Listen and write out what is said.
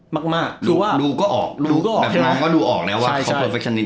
มากมากคือว่าดูก็ออกดูก็ออกแบบนั้นก็ดูออกแล้วว่าเขา